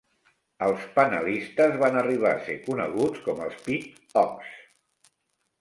Els panelistes van arribar a ser coneguts com els Pit Hogs.